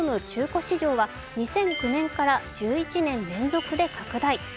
中古市場は２００９年から１１年連続で拡大。